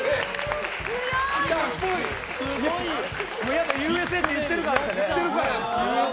やっぱ「Ｕ．Ｓ．Ａ．」って言ってるからですね。